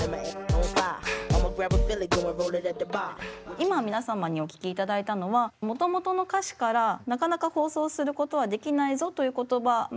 今皆様にお聴きいただいたのはもともとの歌詞からなかなか放送することはできないぞという言葉ま